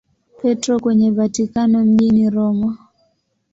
Petro kwenye Vatikano mjini Roma.